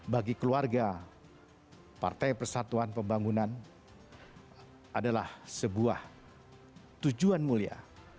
bagi keluarga partai persatuan pembangunan adalah sebuah tujuan mulia